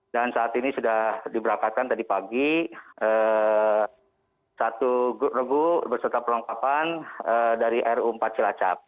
dan saat ini sudah diberakakan tadi pagi satu rebu berserta perlengkapan dari ru empat cilacap